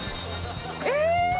えっ！